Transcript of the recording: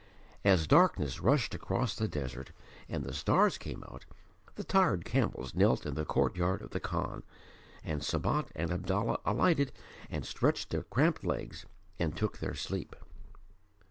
As darkness rushed across the desert and the stars came out, the tired camels knelt in the courtyard of the Khan, and Sabat and Abdallah alighted and stretched their cramped legs, and took their sleep.